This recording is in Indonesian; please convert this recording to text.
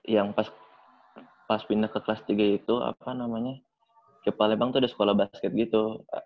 yang pas pindah ke kelas tiga itu apa namanya ke palembang tuh udah sekolah basket gitu